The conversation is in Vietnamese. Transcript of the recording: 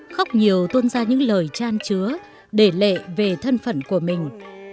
khóc nhiều tuôn ra những lời tràn chứa để lệ về thân phận của mình